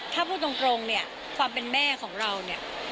ถ้าพูดตรงเนี่ยความเป็นแม่ของเราเนี่ย